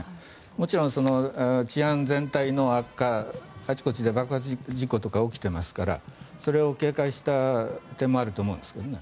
もちろん、治安全体の悪化あちこちで爆発事故とか起きてますからそれを警戒した点もあると思うんですけどね。